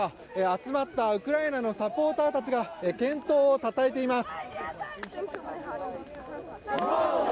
集まったウクライナのサポーターたちが健闘をたたえています。